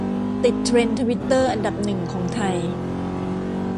ติดเทรนด์ทวิตเตอร์อันดับหนึ่งของไทย